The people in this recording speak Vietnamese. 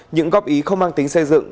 những góp ý không mang tính xây dựng